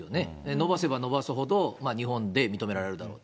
延ばせば延ばすほど日本で認められるだろう。